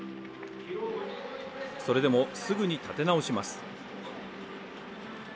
それでも、すぐに立て直します。